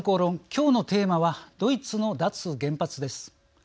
今日のテーマはドイツの脱原発です。